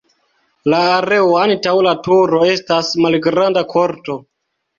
La areo antaŭ la turo estas malgranda korto.